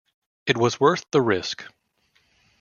It was worth the risk.